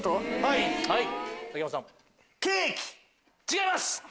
違います。